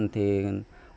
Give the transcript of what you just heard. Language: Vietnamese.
thì ôm đau